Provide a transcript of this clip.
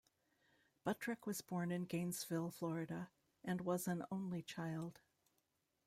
Butrick was born in Gainesville, Florida and was an only child.